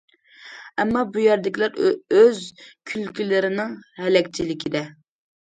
ئەمما، بۇ يەردىكىلەر ئۆز كۈلكىلىرىنىڭ ھەلەكچىلىكىدە.